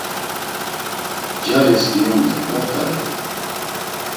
Caris giyondra, moxt̆arei?